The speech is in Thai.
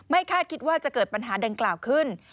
คาดคิดว่าจะเกิดปัญหาดังกล่าวขึ้น